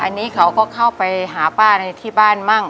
อันนี้เขาก็เข้าไปหาป้าในที่บ้านมั่ง